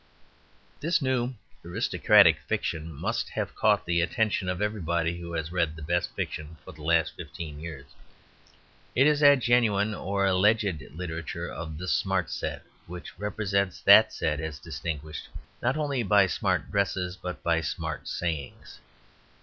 This new aristocratic fiction must have caught the attention of everybody who has read the best fiction for the last fifteen years. It is that genuine or alleged literature of the Smart Set which represents that set as distinguished, not only by smart dresses, but by smart sayings.